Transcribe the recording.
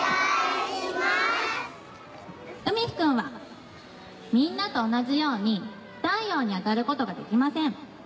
海陽くんはみんなと同じように太陽に当たることができません。